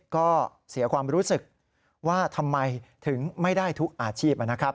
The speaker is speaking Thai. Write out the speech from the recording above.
ก็เสียความรู้สึกว่าทำไมถึงไม่ได้ทุกอาชีพนะครับ